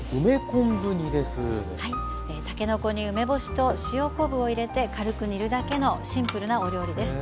たけのこに梅干しと塩昆布を入れて軽く煮るだけのシンプルなお料理です。